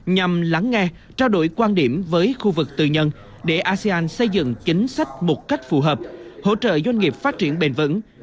nhằm lắng nghe trao đổi quan điểm với khu vực tư nhân để asean xây dựng chính sách một cách phù hợp hỗ trợ doanh nghiệp phát triển bền vững